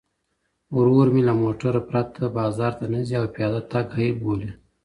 ورور مې له موټر پرته بازار ته نه ځي او پیاده تګ عیب بولي.